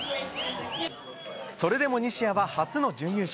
それでも西矢は初の準優勝。